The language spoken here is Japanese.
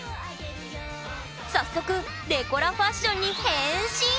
早速デコラファッションに変身！